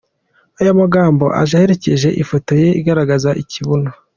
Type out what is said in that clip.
Aya magambo aje aherekeje ifoto ye igaragaza ikibuno.